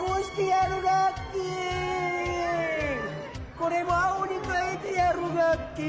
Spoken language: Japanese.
これもあおにかえてやるガッキー。